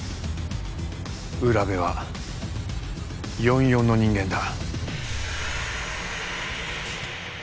占部は４４の人間だ。